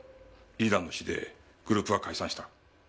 リーダーの死でグループは解散した。